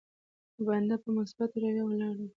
بنده په مثبته رويه ولاړ وي.